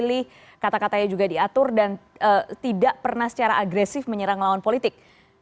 tapi bagaimana dengan pilih kata katanya juga diatur dan tidak pernah secara agresif menyerang lawan politik